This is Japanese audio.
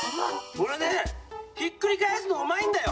おれねひっくりかえすのうまいんだよ！